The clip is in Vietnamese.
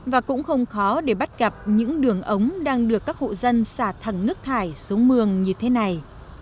và cũng không khó để bắt gặp những đường ống đang được các hộ dân xả thẳng nước thải xuống mương như thế này